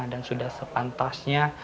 dan sudah sepantasnya